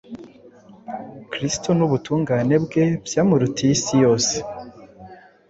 Kristo n’ubutungane bwe byamurutiye isi yose.